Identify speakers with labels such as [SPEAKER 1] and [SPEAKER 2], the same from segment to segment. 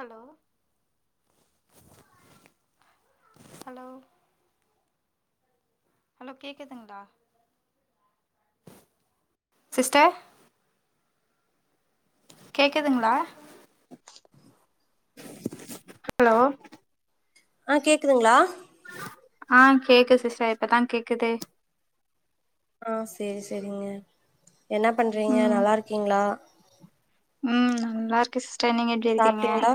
[SPEAKER 1] hello hello sister கேட்குதுங்ளா hello
[SPEAKER 2] ஆ கேக்குதுங்ளா
[SPEAKER 1] ஆ கேக்கு சிஸ்டர் இப்பதா கேக்குது
[SPEAKER 2] ஆ சேரி சேரிங்க என்ன பண்றீங்க
[SPEAKER 1] ம்
[SPEAKER 2] நல்லாருக்கீங்ளா
[SPEAKER 1] ம் நா நல்லாருக்கே சிஸ்டர் நீங்க எப்டி இருக்கீங்க
[SPEAKER 2] சாப்ட்டீங்ளா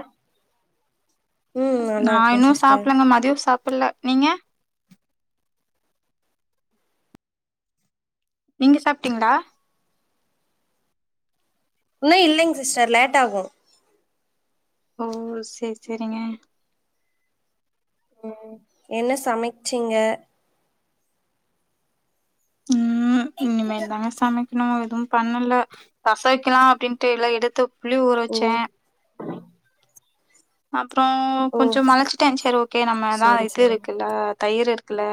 [SPEAKER 1] நா
[SPEAKER 2] இருக்கே
[SPEAKER 1] இன்னு
[SPEAKER 2] சிஸ்டர்
[SPEAKER 1] சாப்பலங்க மதியோ சாப்புல நீங்க நீங்க சாப்ட்டீங்ளா
[SPEAKER 2] இன்னு இல்லைங் சிஸ்டர் லேட் ஆகு
[SPEAKER 1] ஓ சேர் செரிங்க
[SPEAKER 2] ம் என்ன சமச்சீங்க
[SPEAKER 1] ம் இனிமே தாங்க சமைக் இன்னு எதுவும் பண்ணல ரச வைக்கலா அப்டின்ட்டு எல்லா எடுத்து புளி ஊற
[SPEAKER 2] ஓ
[SPEAKER 1] வச்சே அப்றோ
[SPEAKER 2] ஓ
[SPEAKER 1] கொஞ்ச மளச்டே செரி ஓகே நம்மதா
[SPEAKER 2] சேரி
[SPEAKER 1] இது
[SPEAKER 2] சேரி
[SPEAKER 1] இருக்குல்ல தயிர் இருக்குல்ல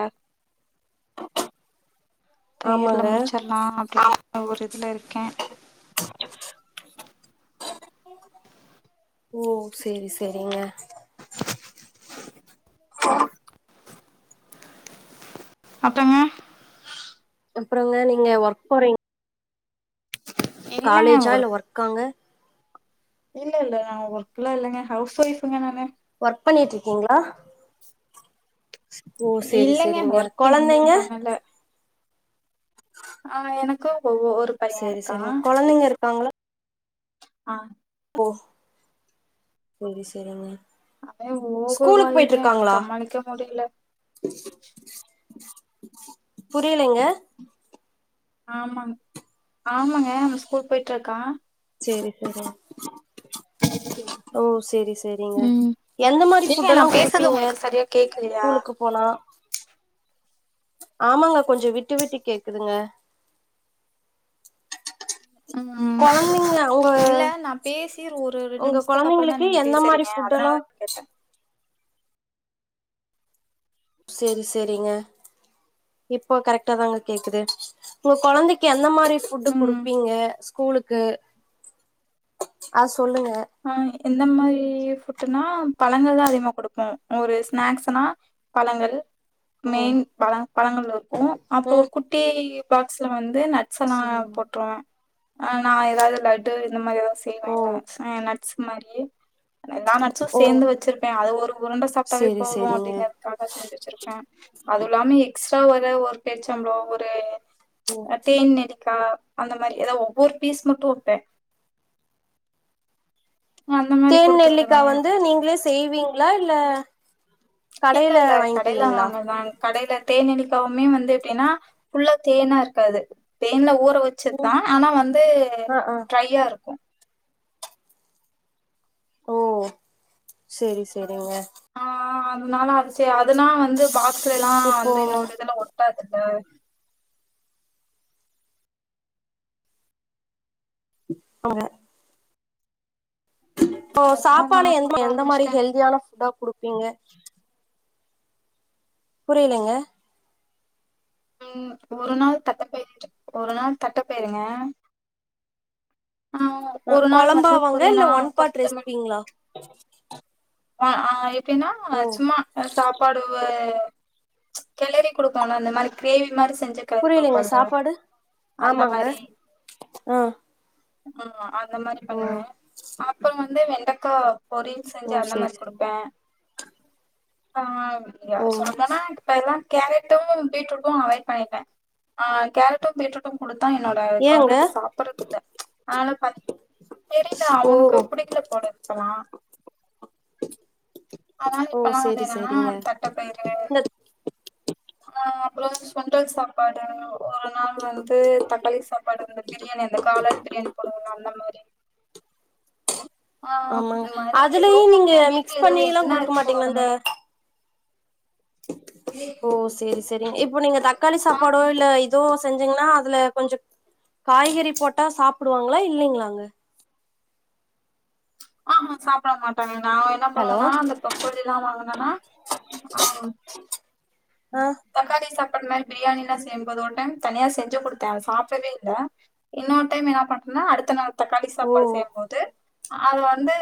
[SPEAKER 1] தயிர்ல
[SPEAKER 2] ஆமாங்க
[SPEAKER 1] முடிச்சாரு நா அப்றோ ஒரு இதுல இருக்கே
[SPEAKER 2] ஓ சேரி சேரிங்க
[SPEAKER 1] அப்பறங்க
[SPEAKER 2] அப்பறங்க நீங்க ஒர்க் போறீங்
[SPEAKER 1] இல்லங்க
[SPEAKER 2] காலேஜா
[SPEAKER 1] ஒரு
[SPEAKER 2] இல்ல ஒர்க்காங்க
[SPEAKER 1] இல்ல இல்ல நா ஒர்க்லா இல்லங்க ஹவுஸ் வைஃப்ங்க நானு
[SPEAKER 2] ஒர்க் பண்ணிட்டுட்ருக்கீங்ளா ஓ சேரி
[SPEAKER 1] இல்லங்க
[SPEAKER 2] சேரிங்க
[SPEAKER 1] ஒர்க் எங்கயு
[SPEAKER 2] கொழந்தைங்க
[SPEAKER 1] பண்ணல ஆ எனக்கு ஒரு ஒரு பைய
[SPEAKER 2] செரி
[SPEAKER 1] இருக்கா
[SPEAKER 2] செரிங்க கொழந்தைங்க இருக்காங்ளா
[SPEAKER 1] ஆ
[SPEAKER 2] ஓ செரி செரிங்க
[SPEAKER 1] அவே ஓவர் வாய்ங்க சமாளிக்க முடியல
[SPEAKER 2] புரியலைங்க
[SPEAKER 1] ஆமாங்க ஆமாங்க அவே ஸ்கூல் போய்ட்டுருக்கா
[SPEAKER 2] சேரி சேரிங்க ஓ சேரி சேரிங்க
[SPEAKER 1] ம்
[SPEAKER 2] எந்த மாரி
[SPEAKER 1] ஏங்க
[SPEAKER 2] ஃபுட்
[SPEAKER 1] நா
[SPEAKER 2] எல்லா
[SPEAKER 1] பேசறது
[SPEAKER 2] குடுப்பீங்க
[SPEAKER 1] உங்களுக்கு சரியா கேக்கலையா
[SPEAKER 2] ஸ்லுக்குப் போனா ஆமாங்க கொஞ்சோ விட்டு விட்டு கேக்குதுங்க
[SPEAKER 1] ம்
[SPEAKER 2] கொழந்தைங்க உங்க
[SPEAKER 1] இல்ல நா பேசி ஒரு ரெண்டு
[SPEAKER 2] உங்க
[SPEAKER 1] நிமிஷ்த்துக்கு அப்பற தா
[SPEAKER 2] கொழந்தைங்களுக்கு
[SPEAKER 1] நீங்க
[SPEAKER 2] எந்த மாரி
[SPEAKER 1] பேசுறீங்க
[SPEAKER 2] ஃபுட்டெல்லா
[SPEAKER 1] அதனால கேட்டே
[SPEAKER 2] சேரி சேரிங்க இப்போ கரெக்ட்டா தாங்க கேக்குது உங்க கொழந்தைக்கி எந்த மாரி ஃபு ஃபுட்டு
[SPEAKER 1] ம்
[SPEAKER 2] குடுப்பீங்க ஸ்கூலுக்கு அது சொல்லுங்க
[SPEAKER 1] ஆ எந்த மாரி ஃபுட்னா பழங்கள் தா அதிகமா குடுப்போ ஒரு ஸ்நாக்ஸ்னா பழங்கள்
[SPEAKER 2] ஓ
[SPEAKER 1] மெயின் பழ பழங்கள் இருக்கு அப்றோ
[SPEAKER 2] ம்
[SPEAKER 1] ஒரு குட்டி பாக்ஸ்ல வந்து நட் ஸ்ல்லா
[SPEAKER 2] சேரிங்க
[SPEAKER 1] போட்டுருவே ஆ நா ஏதாவது லட்டு இந்த மாரி ஏதாது
[SPEAKER 2] ஓ
[SPEAKER 1] செய்வேன்னா ஆ நட்ஸ் மாரியே எல்லா நட்ஸ்சு
[SPEAKER 2] ஓ
[SPEAKER 1] சேந்து வச்சிருப்பே அது ஒரு உருண்ட சாப்ட்டாவே
[SPEAKER 2] சேரி
[SPEAKER 1] போது
[SPEAKER 2] சேரிங்க
[SPEAKER 1] அப்டிங்ற துக்காக செஞ்சு வச்சுருப்பே அதுவு இல்லாம எக்ஸ்ட்ரா எத ஒரு பேர்ச்சம்ளோ ஒரு தேன் நெல்லிக்கா அந்த மாரி ஏத ஒவ்வொரு பீஸ் மட்டு வப்பே அந்த மாதிரி
[SPEAKER 2] தேன்
[SPEAKER 1] கொடுத்து
[SPEAKER 2] நெல்லிக்கா
[SPEAKER 1] விடுவேன்
[SPEAKER 2] வந்து நீங்ளே செய்வீங்ளா இல்ல கடையில வாங்கிக்வீங்ளா
[SPEAKER 1] கடைல தேன் நெல்லிக்கவுமே வந்து எப்டின்னா ஃபுல்லா தேனா இருக்காது தேன்ல ஊற வச்
[SPEAKER 2] ம்
[SPEAKER 1] சதா ஆனா வந்து
[SPEAKER 2] ஆ ஆ
[SPEAKER 1] ட்ரையா இருக்கு
[SPEAKER 2] ஓ செரி செரிங்கரி
[SPEAKER 1] ஆ அதனால அது சே அதனா வந்து பாக்ஸ்லேல்லா
[SPEAKER 2] இப்போ
[SPEAKER 1] வந்து இன்னொரு இதுல ஒட்டாதில்ல
[SPEAKER 2] அவுங்க
[SPEAKER 1] உம்
[SPEAKER 2] இப்போ
[SPEAKER 1] அதனால அந்த
[SPEAKER 2] சாப்பாடு
[SPEAKER 1] மாதிரி
[SPEAKER 2] எந்த
[SPEAKER 1] கொடுக்க
[SPEAKER 2] எந்த மாரி
[SPEAKER 1] ஆரம்பிச்சிட்டேன்
[SPEAKER 2] ஹெல்தியான ஃபுட்டா குடுப்பீங்க புரியலங்க
[SPEAKER 1] ம் ஒரு நாள் தட்ட பயிரு ஒரு நாள் தட்ட பயிருங்க ம்
[SPEAKER 2] அ கொழம்பாவாங்க இல்ல ஒன் பாட் ரெசிப்பீங்களா
[SPEAKER 1] அ ஆ எப்டின்னா
[SPEAKER 2] ஓ
[SPEAKER 1] சும்மா அ சாப்பாடு [unintelligible] கெளரி குடுத்தோன்னா அந்த மாரி கிரேவி மாரி செஞ்சு கறி
[SPEAKER 2] புரியலைங்க
[SPEAKER 1] குடுப்பல்ல
[SPEAKER 2] சாப்பாடு
[SPEAKER 1] அந்த
[SPEAKER 2] ஆமாங்க
[SPEAKER 1] மாரி
[SPEAKER 2] ஆ
[SPEAKER 1] ம் அந்த மாரி
[SPEAKER 2] ஓ
[SPEAKER 1] பண்ணுவே அப்றோ வந்து வெண்டக்கா பொரியல் செ
[SPEAKER 2] ஓ
[SPEAKER 1] [unintelligible] அந்த
[SPEAKER 2] சேரி
[SPEAKER 1] மாரி
[SPEAKER 2] சேரி
[SPEAKER 1] குடுப்ப ஆ யா
[SPEAKER 2] ஓ
[SPEAKER 1] சொன்னப் [unintelligible] இப்ப என்னா கேரட்டூ பீட்ரூட்டு அவாய்ட் பண்ணீட்ட அ கேரட்டு பீட்ரூட் ட்டு குடுத்தா என்னோட
[SPEAKER 2] ஏங்க
[SPEAKER 1] கொழந்தைக்கு சாப்படறதுல்ல அதனால ப தெரில
[SPEAKER 2] ஓ
[SPEAKER 1] அவனுக்கு புடிக்கல போல இருக்குமா அதனால
[SPEAKER 2] ஓ
[SPEAKER 1] இப்பெல்லா வந்து
[SPEAKER 2] சேரி
[SPEAKER 1] என்னன்னா
[SPEAKER 2] சேரிங்க
[SPEAKER 1] தட்டப்பயிரு
[SPEAKER 2] இந்த
[SPEAKER 1] ஆ அப்பறோ சுண்டல் சாப்பாடு ஒரு நாள் வந்து தக்காளி சாப்பாடு வந்து பிரியாணி அந்த காலான் பிரியாணி போடுவோல அந்த மாரி ஆ
[SPEAKER 2] ஆமாங்க
[SPEAKER 1] [inaudible] மாரி எதோ
[SPEAKER 2] அதுலயு நீங்க
[SPEAKER 1] ஒண்ணுங்க வீட்டுல
[SPEAKER 2] மிக்ஸ்
[SPEAKER 1] எதோ
[SPEAKER 2] பண்ணில்லா
[SPEAKER 1] என்ன
[SPEAKER 2] குடுக்க
[SPEAKER 1] இருக்கோ
[SPEAKER 2] மாட்டீங்களா
[SPEAKER 1] அது
[SPEAKER 2] இந்த
[SPEAKER 1] மாரி மாரி
[SPEAKER 2] ஓ சேரி சேரிங்க இப்ப நீங்க தக்காளி
[SPEAKER 1] ஆ
[SPEAKER 2] சாப்பாடோ இல்ல இது செஞ்சீங்கன்னா அதுல கொஞ்சோ காய்கறி போட்டா சாப்புடுவாங்களா இல்லிங்களாங்க
[SPEAKER 1] ஆஆ சாப்பட மாட்டாங்க நா என்ன
[SPEAKER 2] ஹலோ
[SPEAKER 1] பண்ணுவனா அந்த ப்ரோக்கோலிலா வாங்குனனா ஆம்
[SPEAKER 2] ஆ
[SPEAKER 1] தக்காளி சாப்பாடு மாரி பிரியாணினா செய்யும்போது ஒரு டைம் தனியா செஞ்சு குடுத்தே அவ சாப்டவே இல்ல இன்னொரு டைம் என்ன பண்ட்டனா அடுத்த நாள் தக்காளி
[SPEAKER 2] ஓ
[SPEAKER 1] சாப்பாடு செய்யும்போது அது வந்து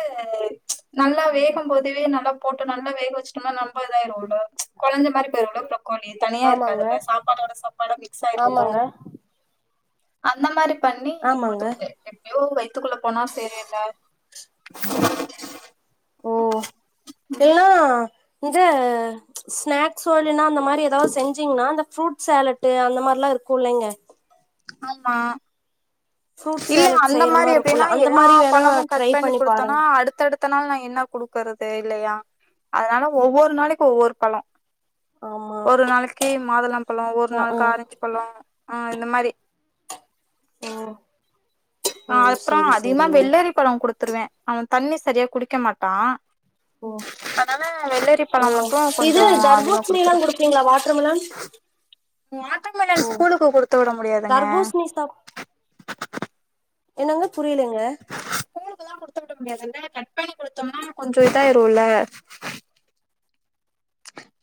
[SPEAKER 1] நல்லா வேகும்போதுவே நல்லா போட்டு நல்லா வேக வெச்சுட்டம்னா நம்ப இதாயிருள்ள கொழஞ்ச கொமாரி போயுருள ப்ரோக்கோலி தனியா
[SPEAKER 2] ஆமாங்க
[SPEAKER 1] இருக்காதுல்ல சாப்பாடோட சாப்பாட மிக்ஸ் ஆயிருயில
[SPEAKER 2] ஆமாங்க
[SPEAKER 1] அந்த மாரி பண்ணி
[SPEAKER 2] ஆமாங்க
[SPEAKER 1] குடுத்துவிட்ட எதோ வயத்துக்குள்ள போனா சேரி இல்ல
[SPEAKER 2] ஓ என்னா இது ஸ்னாக்ஸோ இல்லின்னா அந்த மாரி எதாவது செஞ்சீங்கன்னா அந்த ஃப்ரூட் சேலட் ட்டு அந்த மார்லா இருக்கு இல்லிங்க
[SPEAKER 1] ஆமா
[SPEAKER 2] ஃப்ரூட்
[SPEAKER 1] இல்ல
[SPEAKER 2] சேலட்
[SPEAKER 1] அந்த
[SPEAKER 2] செய்யற
[SPEAKER 1] மாரி
[SPEAKER 2] இருக்குல்ல
[SPEAKER 1] எப்டின்னா
[SPEAKER 2] அந்த
[SPEAKER 1] எல்லா
[SPEAKER 2] மாரி வேணா
[SPEAKER 1] பழமு கட்
[SPEAKER 2] ட்ரை
[SPEAKER 1] பண்ணி குடுத்தொன்னா
[SPEAKER 2] பாருங்க
[SPEAKER 1] அடுத் தடுத்த நாள் நா என்ன குடுக்கறது இல்லையா அதனால ஒவ்வொரு நாளைக்கு ஒவ்வொரு பழோ
[SPEAKER 2] ஆமா
[SPEAKER 1] ஒரு நாளைக்கு மாதுளம்பழோ ஒரு
[SPEAKER 2] அ ஆ
[SPEAKER 1] நாள்க்கு ஆரஞ்சு பழோ அ இந்த மாரி
[SPEAKER 2] ஓ ஓ
[SPEAKER 1] ஆ அப்பறோ
[SPEAKER 2] சேரி
[SPEAKER 1] அதிகமா
[SPEAKER 2] சேரிங்க
[SPEAKER 1] வெள்ளரி பழோ குடுத்துருவே அவ தண்ணி செரியா குடிக்க மாட்டா
[SPEAKER 2] ஓ
[SPEAKER 1] அதனால வெள்ளரி
[SPEAKER 2] ஓ
[SPEAKER 1] பழோ மட்டு
[SPEAKER 2] இது
[SPEAKER 1] கொஞ்சோ அதிகமா
[SPEAKER 2] தர்பூசணிலாம்
[SPEAKER 1] குடுத்துருவ
[SPEAKER 2] குடுப்பீங்களா வாட்டர்மெலன்
[SPEAKER 1] வாட்டர்மேலன்
[SPEAKER 2] ஓ
[SPEAKER 1] ஸ்கூலுக்கு குடுத்துவிட முடியாதுங்க
[SPEAKER 2] தர்பூசணி சாப் என்னங்க புரியலங்க
[SPEAKER 1] ஸ்கூலுக்குலா குடுத்து விட முடியாதுல்ல கட் பண்ணி குடுத்தம்னா கொஞ்சோ இதாயீருள்ள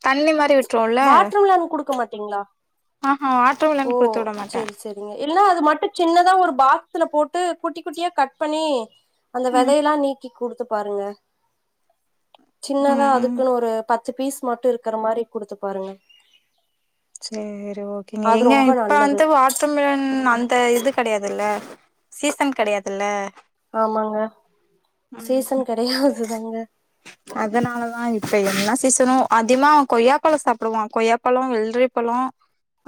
[SPEAKER 1] தண்ணி மாரி விட்
[SPEAKER 2] வாட்டர்மெலன் குடுக்க மாட்டீங்களா
[SPEAKER 1] ஆஆ வாட்டர்மெலன் குடுத்தூட மாட்ட
[SPEAKER 2] இல்லனா அது மட்டு சின்னதா ஒரு பாக்ஸ்ல போட்டு குட்டி குட்டியா கட் பண்ணி அந்த
[SPEAKER 1] ம்
[SPEAKER 2] வெதையெல்லா நீக்கி குடுத்து பாருங்க சின்னதா
[SPEAKER 1] ம் ம்
[SPEAKER 2] அதுக் க்குன்னு ஒரு பத்து பீஸ் மட்டு இருக்கற மாரி குடுத்து பாருங்க
[SPEAKER 1] சேரி ஓகேங்க
[SPEAKER 2] அது
[SPEAKER 1] ஏங்க
[SPEAKER 2] ரொம்ப
[SPEAKER 1] இப்ப
[SPEAKER 2] நல்லது
[SPEAKER 1] வந்து வாட்டர் மெலன் அந்த இதுக் கெடையாதுல்ல சீசன் கெடையாதுல்ல
[SPEAKER 2] ஆமாங்க
[SPEAKER 1] ம்
[SPEAKER 2] சீசன் கெடையாது தாங்க
[SPEAKER 1] அதனாலதா இப்ப என்ன சீசனோ அதிமா கொய்யாபழ சாப்பிடுவா கொய்யா பழோ வெள்ரி பழோ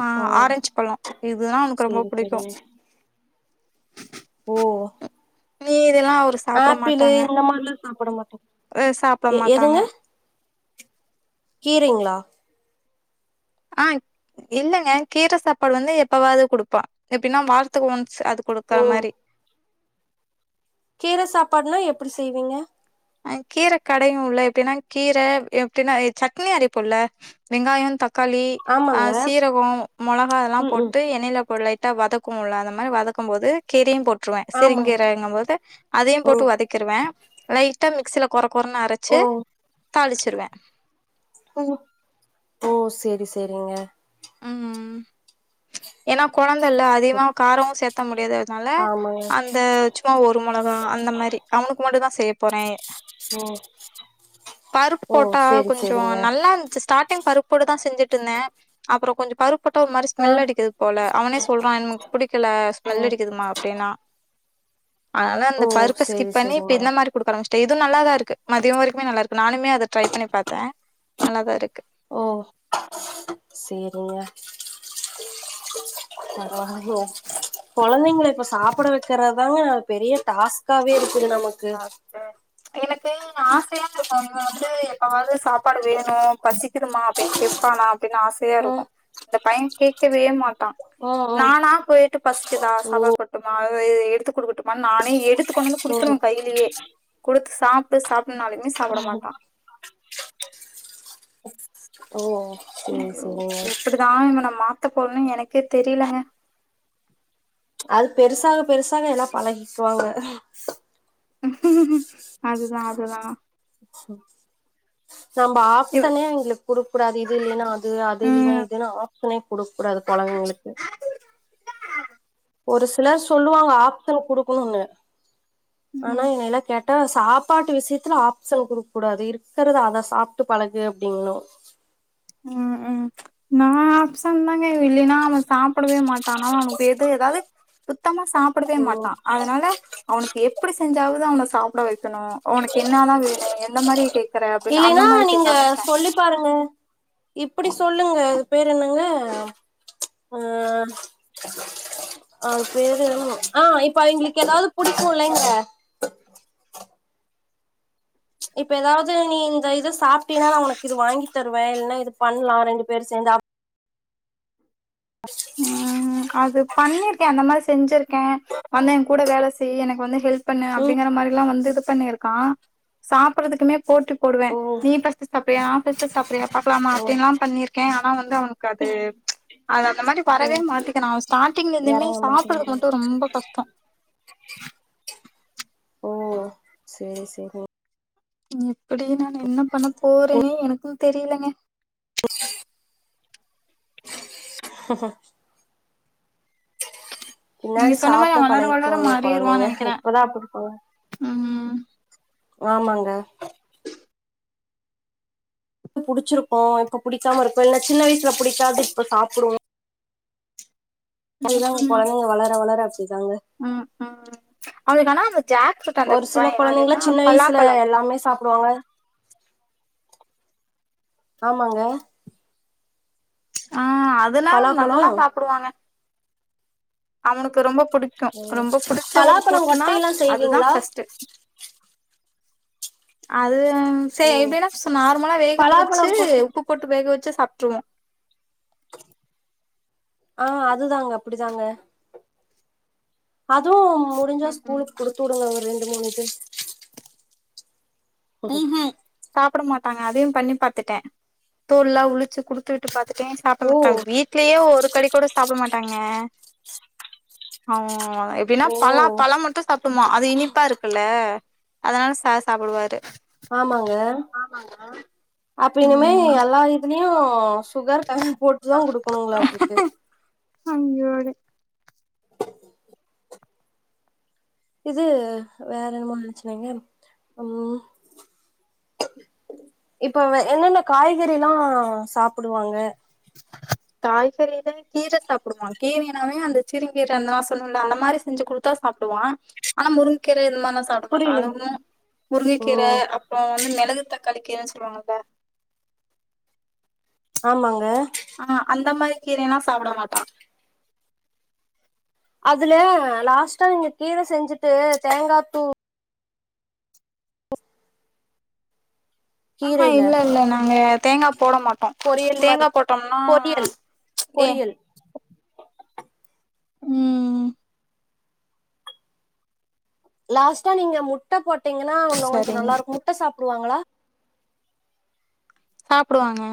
[SPEAKER 1] ஆ
[SPEAKER 2] ஓ
[SPEAKER 1] ஆரஞ்சு பழ இதுதா அவனக்கு ரொம்ப
[SPEAKER 2] செரி
[SPEAKER 1] புடிக்கு
[SPEAKER 2] செரிங்க ஓ
[SPEAKER 1] மீதில்லா அவரு சாப்ட
[SPEAKER 2] ஆப்பிளு
[SPEAKER 1] மாட்டாங்க
[SPEAKER 2] இந்த மாரிலா சாப்பிட மாட்டா
[SPEAKER 1] அ சாப்ட
[SPEAKER 2] எ
[SPEAKER 1] மாட்டாங்க
[SPEAKER 2] எதுங்க கீரைங்களா
[SPEAKER 1] ஆ இல்லங்க கீர சாப்பாடு வந்து எப்பவாவது குடுப்பா எப்டின்னா வாரத்தக்கு ஒன்ஸ் அது குடுக்குற
[SPEAKER 2] ஓ
[SPEAKER 1] மாரி
[SPEAKER 2] கீர சாப்பாடுனா எப்டி செய்வீங்க
[SPEAKER 1] அ கீர கடைவோல எப்டினா கீர எப்டினா எ சட்னி அரைப்போல்ல வெங்காயம் த க்காளி ஆ
[SPEAKER 2] ஆமாங்க
[SPEAKER 1] சீரக மிளகா அதெல்லா
[SPEAKER 2] ம் ம்
[SPEAKER 1] போட்டு எண்ணெயில பொருள டா வதக்குவோல அந்த மாரி வதக்கு போது கீரையு போட்டுருவே
[SPEAKER 2] ஆமாங்க
[SPEAKER 1] சிறுங்கீரைங்கம் போது அதையு போட்டு
[SPEAKER 2] ம்
[SPEAKER 1] வத க்கிருவே லைட்டா மிக்சில குர குரன்னு அரச்சு
[SPEAKER 2] ஓ
[SPEAKER 1] தாளிச்சிருவே
[SPEAKER 2] ம் ஓ சேரி சேரிங்க
[SPEAKER 1] ம் ஏனா கொழந்தல அதிகமா காரமு சேத்த முடியாது அதுனால
[SPEAKER 2] ஆமாங்க
[SPEAKER 1] அந்த சு ம்மா ஒரு மொளகா அந்த மாரி அவனுக்கு மட்டு தா செய்ய போறே
[SPEAKER 2] ஓ
[SPEAKER 1] பருப்பு
[SPEAKER 2] ஓ
[SPEAKER 1] போட்டா
[SPEAKER 2] சேரி
[SPEAKER 1] கொஞ்ச
[SPEAKER 2] சேரிங்க
[SPEAKER 1] நல்லா இருந்துச்சு ஸ்டார்ட்டிங் பருப் போட்டு தா செஞ்சுட்டு இருந்தே அப்பற கொஞ்ச பருப்பு போட்டா ஒரு மாரி
[SPEAKER 2] ஆ
[SPEAKER 1] ஸ்மெல் அடிக்கிது போல அவனே சொல்றா எனக் பிடிக்கல
[SPEAKER 2] ஓ
[SPEAKER 1] ஸ்மெல் அடிக்குதுமா அப்டின்னா அதனால
[SPEAKER 2] ஓ
[SPEAKER 1] அந்த பருப்ப
[SPEAKER 2] சேரி
[SPEAKER 1] ஸ்கிப் பண்ணி இப்ப
[SPEAKER 2] சேரிங்க
[SPEAKER 1] இந்த மாரி குடுக்க ஆரம்பிச்டே இது நல்லாதா இருக்கு மதிய வரைக்குமே நல்லா இருக்கு நானுமே அத ட்ரை பண்ணி பாத்தே நல்லாதா இருக்கு
[SPEAKER 2] ஓ சேரிங்க ஆ ஓ கொழந்தைங்கள இப்ப சாப்பிட வைக்கறதாங்க பெரிய டாஸ்காவே இருக்குது நமக்கு
[SPEAKER 1] அப்ப எனக்கு ஆசையா இருக்கு இவ வந்து எப்பவாது சாப்பாடு வேணு பசிக்குதுமா அப்டின்னு கே ப்பானா அப்டின்னு ஆசையா இருக்கு
[SPEAKER 2] ம்
[SPEAKER 1] இந்த பையன் கேட்கவே மாட்டா
[SPEAKER 2] ம் ம்
[SPEAKER 1] நானா போயிட்டு பசி கிதா சாப்பாடு போட்டுமா அத இத எடுத்து குடுக்கட்டுமா நானே எடுத்துக் கொண்டாந்து குடு த்தனு
[SPEAKER 2] ம்
[SPEAKER 1] கையிலேயே குடுத்து சாப்டு சாப்ட்னாலுமே சாப்பிட மாட்டா
[SPEAKER 2] ஓ சேரி
[SPEAKER 1] அய்யோ
[SPEAKER 2] சேரிங்க
[SPEAKER 1] எப்படிதா இவன மாத்த போறனு எனக்கே தெரிலங்க
[SPEAKER 2] அது பெருசாக பெருசாக எல்லா பழகிக்குவாங்க
[SPEAKER 1] அதுதா அதுதா
[SPEAKER 2] நம்ப
[SPEAKER 1] இவ-
[SPEAKER 2] ஆப்சனே எங்களுக் குடுக்கூடாது இது இல்லேன்னா அது அது இல்லேனா
[SPEAKER 1] ம்
[SPEAKER 2] இதுன்னு ஆப்ஷனே குடுக்க கூடாது கொழந்தைங்களுக்கு ஒரு சில சொல்லுவாங்க ஆப்ஷன் குடுக்கனுனு ஆனா
[SPEAKER 1] ம்
[SPEAKER 2] என்னைல்லா கேட் டா சாப்பாட்டு விஷயத்துல ஆப்ஷன் குடுக்கக் கூடாது இருக்கறத அத சாப்ட்டு பழகு அப்டிங்கனு
[SPEAKER 1] ம் ம் நா ஆப்ஷன் தாங்க இல்லினா நா அவ சாப்பிடவே மாட் டானா எது ஏதாவது சுத்தமா சாப்பிடவே
[SPEAKER 2] ம்
[SPEAKER 1] மாட்டா அதனால அவனுக்கு எப்டி செஞ்சாவது அவன சாப்ட வக்கணு அவனுக்கு என்னாதா வேணு எந்த மாரி டே க்கற அப்டின்னு அந்த
[SPEAKER 2] இல்லைன்னா
[SPEAKER 1] மாரி கேக்க ஆரம்பிசிட்டே
[SPEAKER 2] பாருங்க இப்பிடி சொல்லுங்க அது பேரு என்னங்க ஆ அ பேரு ஆ இப்ப எங்ளுக்கு ஏதாவது புடிக்கு இல்லைங்க இப்ப எதாவது நீ இந்த இத சாப்ட்டீன்னா நா உனக்கு இது வாங்கி தருவே இல்னா இது பண்லா ரெண்டு பேர் சேந்து
[SPEAKER 1] ம் அது பண்ணிருக்கே அந்த மாரி செஞ்சுருக்கே வந்த என் கூட வேல செய் எனக்கு வந்து ஹெல்ப் பண்ணு
[SPEAKER 2] ம்
[SPEAKER 1] அப்டிங்கற மாரிலா வந்து இது பண்ணிருக்கா சாப்றதுக்குமே போட்டி போடுவே
[SPEAKER 2] ஓ
[SPEAKER 1] நீ ஃப ஸ்ட் சாப்றயா நா ஃபஸ்ட் சாப்றயா பாக்லாமா
[SPEAKER 2] ஓ
[SPEAKER 1] அப்டின்லா பண்ணிரு கே அவ வந்து அவனுக்கு அது அவ அந் மாரி
[SPEAKER 2] ஓ
[SPEAKER 1] வரவே மாட்டிக்றா அவ ஸ்டா ட்டிங்கல இந்துமே
[SPEAKER 2] எறங்க
[SPEAKER 1] சாப்பட்றதுக்
[SPEAKER 2] மாட்டேங்குது
[SPEAKER 1] மட்டு ரொம்ப கஷ்டோ
[SPEAKER 2] ஓ சரி சரி
[SPEAKER 1] எப்டி நான் என்ன பண்ண போறேனே எனக்கு தெரிலங்க
[SPEAKER 2] ஆஹ ஹ
[SPEAKER 1] நீங்க
[SPEAKER 2] பின்னாடி
[SPEAKER 1] சொன்ன மாரி
[SPEAKER 2] சாப்ட
[SPEAKER 1] அவ வளர வளர
[SPEAKER 2] பழகிக்குவாங்க
[SPEAKER 1] மாறிருவா
[SPEAKER 2] கொழந்தைங்க
[SPEAKER 1] நெனைக்கிறே
[SPEAKER 2] இப்பதா அப்டி இருப்பாங்க
[SPEAKER 1] ம்
[SPEAKER 2] ஆமாங்க ப் புடுச்சிருக்கு இப்ப புடிக்காம இருக்கு இல்ல சின்ன வயசல புடிக்காது இப்ப சாப்டுவோ
[SPEAKER 1] ம்
[SPEAKER 2] அதுதாங்க கொழந்தைங்க வளர வளர அப்டிதாங்க
[SPEAKER 1] ம் ம் அதுனால அவ ஜாக் ஃப்ரூட்டா
[SPEAKER 2] ஒரு சில கொழந்தைங்ளா சின்ன வயசுல எல்லாமே சாப்டுவாங்க ஆமாங்க
[SPEAKER 1] ஆ அதுனா
[SPEAKER 2] பலாப்பழோ
[SPEAKER 1] நல்லா சாப்டுவாங்க அவனுக்கு ரொம்ப புடிக்கு ரொம்ப புடுச்ச ஒரு
[SPEAKER 2] பலாப்பழோ
[SPEAKER 1] ஃப்ரூட்னா
[SPEAKER 2] கொட்டையெல்லா
[SPEAKER 1] அதுதா
[SPEAKER 2] செய்வீங்களா
[SPEAKER 1] ஃபர்ஸ்ட்டு அது செ
[SPEAKER 2] ம்
[SPEAKER 1] எப்டினா சும் நார்மலா வேக வச்சு
[SPEAKER 2] பலாப்பழம் கூட்டு
[SPEAKER 1] உப்பு போட்டு வேக வச்சு சாப்ட்ருவோ
[SPEAKER 2] ஆ அதுதாங்க அப்டிதாங்க அதுவு முடுஞ்சா
[SPEAKER 1] ம்
[SPEAKER 2] ஸ்கூலுக் குடுத்துடுங்க ஒரு ரெண்டு மூணுது
[SPEAKER 1] ம்ஹூம் சாப்ட மாட்டாங்க அதையும் பண்ணி பாத்துட்டே தோல்லா உழுச்சு குடுத்து விட்டு பாத்துட்டே சாப்ட
[SPEAKER 2] ஓ
[SPEAKER 1] மாட்டாங்க வீட்லயே ஒரு கடி கூட சாப்ட மாட்டாங்க அவோ எப்டின்னா
[SPEAKER 2] ஓ
[SPEAKER 1] பலா பழம் மட்டு சாப் டுவா அது இனிப்பா இருக்குல்ல அதனால சார் சாப்டுவாரு
[SPEAKER 2] ஆமாங்க
[SPEAKER 1] ஆமாங்க
[SPEAKER 2] அப்பின்னுமே
[SPEAKER 1] ம்
[SPEAKER 2] எல்லா இதுலயு சுகர் போட்டு தா குடுக்கணுங்ளாட்ருக்கு
[SPEAKER 1] [unintelligible]
[SPEAKER 2] இது வேற என்னமோ நெனச்சனேங் ம் இப்ப என்னென்ன காய்கறிலா சாப்புடுவாங்க
[SPEAKER 1] [inaudible] காய்கறில கீர சாப்டுவா கீரைனாவே அந்த சிறுகீர நா சொல்லுவன்ல அந்த மாரி செஞ்சு குடுத் தா சாப்டுவா ஆனா முருங்கீரை இந்த மார்லா சாப்ட மாட்டா
[SPEAKER 2] புரியலங்க
[SPEAKER 1] அதுவு
[SPEAKER 2] ஓ
[SPEAKER 1] முருங்கைக்கீர அப்றோ வந்து மிளகு தக்காளி கீரைன்னு சொல்லுவாங்கல்ல
[SPEAKER 2] ஆமாங்க
[SPEAKER 1] ஆ அந்த மாரி கீரைனா சாப்ட மாட்டா
[SPEAKER 2] அதுல லாஸ்ட்டா நீங்க கீர செஞ்சுட்டு தேங்கா தூ
[SPEAKER 1] ஆமா
[SPEAKER 2] கீரைல
[SPEAKER 1] இல்ல இல்ல நாங்க தேங்கா போட மாட்டோ
[SPEAKER 2] பொரியல் மாரி
[SPEAKER 1] தேங்கா போட்டம்னா
[SPEAKER 2] பொரியல்
[SPEAKER 1] ஏ
[SPEAKER 2] பொரியல்
[SPEAKER 1] ம்
[SPEAKER 2] லாஸ்ட்டா நீங்க முட்ட போட்டீங்னா உன்னு கொஞ்சோ
[SPEAKER 1] சரிங்க
[SPEAKER 2] நல்லாருக்கு முட்ட சாப்டுவாங்ளா
[SPEAKER 1] சாப்டுவாங்க